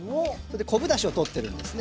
昆布だしをとってるんですね。